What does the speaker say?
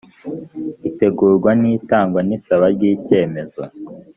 itegurwa n itangwa n isaba ry icyemezo